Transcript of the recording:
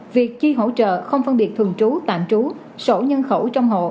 việc chi hỗ trợ không phân biệt thường trú tạm trú sổ nhân khẩu trong hộ